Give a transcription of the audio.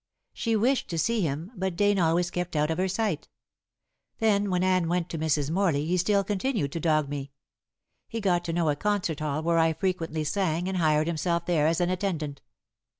She wished to see him, but Dane always kept out of her sight. Then when Anne went to Mrs. Morley he still continued to dog me. He got to know a concert hall where I frequently sang and hired himself there as an attendant.